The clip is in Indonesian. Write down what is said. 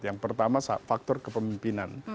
yang pertama faktor kepemimpinan